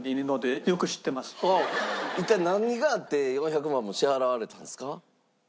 一体何があって４００万も支払われたんですか？